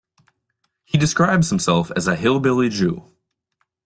He describes himself as a "hillbilly Jew".